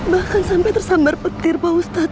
bahkan sampai tersambar petir pak ustadz